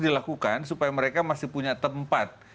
dilakukan supaya mereka masih punya tempat